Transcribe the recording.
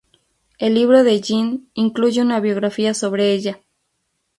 El Libro de Jin incluye una biografía sobre ella.